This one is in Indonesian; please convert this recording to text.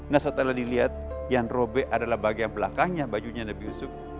nah setelah dilihat yang robek adalah bagian belakangnya bajunya lebih usuk